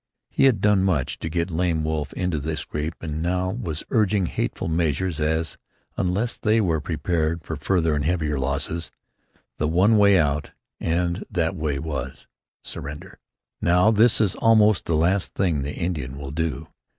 He had done much to get Lame Wolf into the scrape and now was urging hateful measures as, unless they were prepared for further and heavier losses, the one way out, and that way was surrender. Now, this is almost the last thing the Indian will do.